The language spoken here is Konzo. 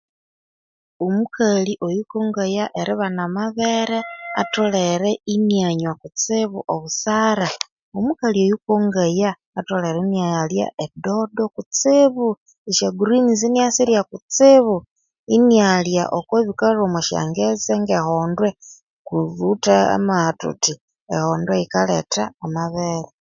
Omukali oyu kongaya eribana amabere atholere inyanywa kutsibu obusara, omukali oyu kongaya atholere inyalya edodo kutsibi esya grinizi inyasirya kutsibu, inyalya oku bikalhwa omusyangetse nge hondwe, kundi thuwithe amaha thuthi ehondwe yikaletha ama bere